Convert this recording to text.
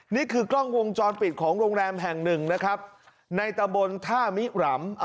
นี่คือกล้องวงจรปิดของโรงแรมแห่งหนึ่งนะครับในตะบนท่ามิรำ